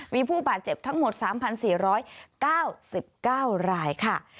มีผู้บาดเจ็บทั้งหมด๓๔๙๙รายค่ะ